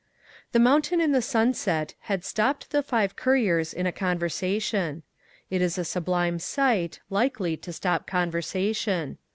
The mountain in the sunset had stopped the five couriers in a conversation. It is a sublime sight, likely to stop conversation.